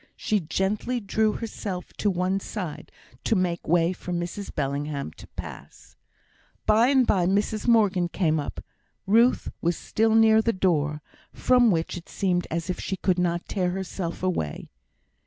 She gently drew herself on one side to make way for Mrs Bellingham to pass. By and by Mrs Morgan came up. Ruth was still near the door, from which it seemed as if she could not tear herself away.